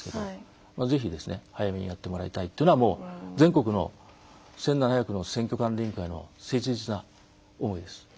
ぜひ早めにやってもらいたいというのは全国の１，７００の選挙管理委員会の切実な思いです。